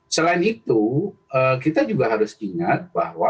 selain itu kita juga harus ingat bahwa